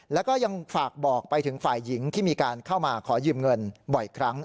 แล้วก็ยังฝากบอกไปถึงฝ่ายหญิงที่มีการเข้ามาขอยืมเงินบ่อยครั้ง